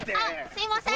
すいません！